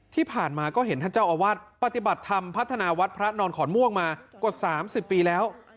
ที่ผ่านมาก็เห็นท่านเจ้าอาวาสปฏิบัติธรรมพัฒนาวัดพระนอนขอนม่วงมากว่า๓๐ปีแล้ว